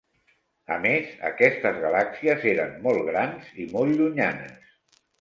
A més, aquestes galàxies eren molt grans i molt llunyanes.